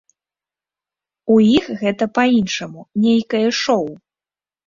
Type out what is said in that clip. У іх гэта па-іншаму, нейкае шоу.